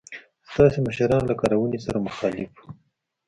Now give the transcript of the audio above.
سنتي مشران له کارونې سره مخالف وو.